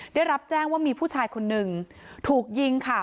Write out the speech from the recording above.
ได้รับแจ้งว่ามีผู้ชายคนหนึ่งถูกยิงค่ะ